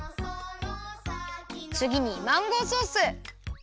つぎにマンゴーソース。